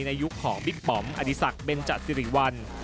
ในยุคของบิ๊กปอมอดีศักดิเบนจสิริวัล